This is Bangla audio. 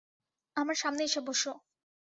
আমার সামনে এসে বসো।